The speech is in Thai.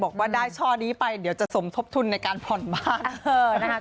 บอกว่าได้ช่อนี้ไปเดี๋ยวจะสมทบทุนในการผ่อนบ้าน